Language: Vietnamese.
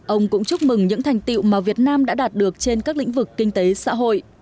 ông cũng chúc mừng những thành tiệu mà việt nam đã đạt được trên các lĩnh vực kinh tế xã hội